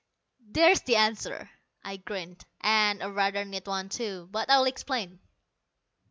"There's the answer," I grinned, "and a rather neat one, too. But I'll explain."